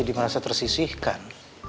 jadi merasa tersisihkan